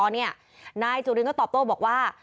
นายจุรินรักษณ์ก็ตอบโต้บอกว่า